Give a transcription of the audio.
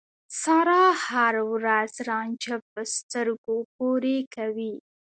سارا هر ورځ رانجه په سترګو پورې کوي.